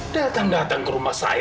datang datang ke rumah saya